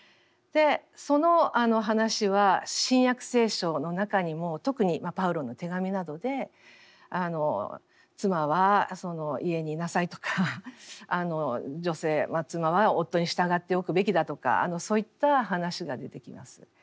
その話は「新約聖書」の中にも特にパウロの手紙などで妻は家にいなさいとか女性妻は夫に従っておくべきだとかそういった話が出てきます。